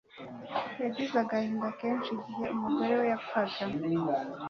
Yagize agahinda kenshi igihe umugore we yapfaga